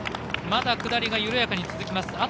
まだ下りが緩やかに続きます。